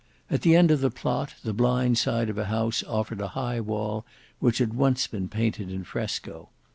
At the end of the plot the blind side of a house offered a high wall which had once been painted in fresco.